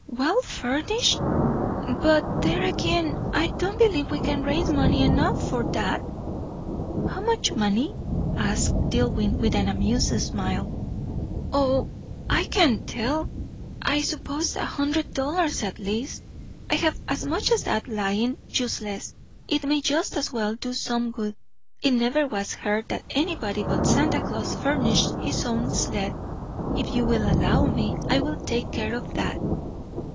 "Well furnished! but there again I don't believe we can raise money enough for that." "How much money?" asked Dillwyn, with an amused smile. "O, I can't tell I suppose a hundred dollars at least." "I have as much as that lying useless it may just as well do some good. It never was heard that anybody but Santa Claus furnished his own sled. If you will allow me, I will take care of that."